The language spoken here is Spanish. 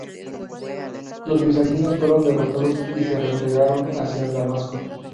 Los bizantinos fueron derrotados y se replegaron hacia Damasco.